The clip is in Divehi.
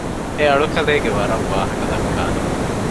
އެ އަޅުކަލޭގެ ވަރަށް ވާހަކަ ދައްކާނެ